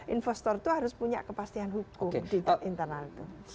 investor itu harus punya kepastian hukum di internal itu